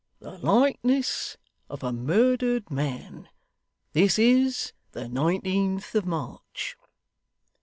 The likeness of a murdered man. This is the nineteenth of March.